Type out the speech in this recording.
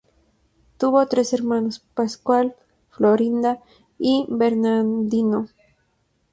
Tuvo tres hermanos: Pascual, Florinda y Bernardino.